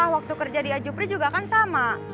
waktu kerja di aju pri juga kan sama